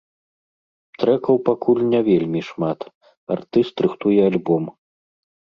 Трэкаў пакуль не вельмі шмат, артыст рыхтуе альбом.